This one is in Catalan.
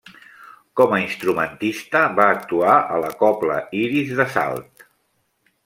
Com a instrumentista, va actuar a la cobla Iris de Salt.